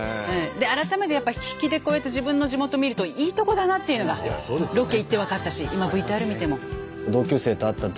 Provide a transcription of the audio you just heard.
改めてやっぱ引きでこうやって自分の地元見るといいとこだなっていうのがロケ行って分かったし今ＶＴＲ見ても。